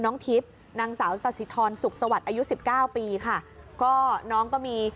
น้องทิศนางสาวสศิทธิ์ธรรมสุขสวรรค์อายุ๑๙ปีค่ะก็น้องก็มี